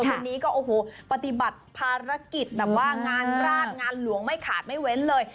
วันนี้ก็โอ้โหปฏิบัติภารกิจแบบว่างานราชงานหลวงไม่ขาดไม่เว้นเลย